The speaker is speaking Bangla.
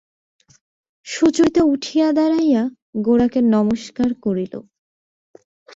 সুচরিতা উঠিয়া দাঁড়াইয়া গোরাকে নমস্কার করিল।